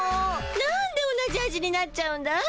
なんで同じ味になっちゃうんだい？